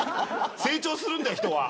成長するんだよ人は。